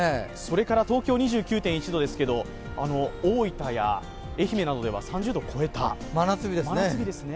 東京２９．１度ですけど大分や愛媛などでは３０度超えた真夏日ですね。